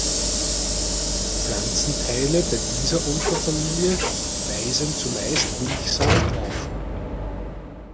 Pflanzenteile bei dieser Unterfamilie weisen zumeist Milchsaft auf.